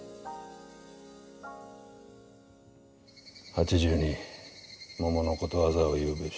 「８２桃のことわざを言うべし」。